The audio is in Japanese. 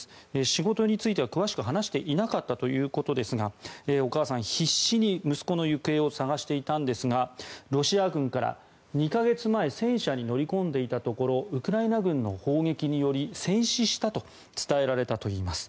仕事については詳しく話していなかったということですがお母さん、必死に息子の行方を捜していたんですがロシア軍から、２か月前戦車に乗り込んでいたところウクライナ軍の砲撃により戦死したと伝えられたといいます。